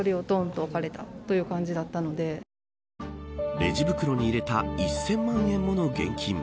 レジ袋に入れた１０００万円もの現金。